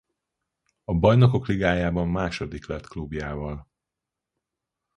A Bajnokok Ligájában második lett klubjával.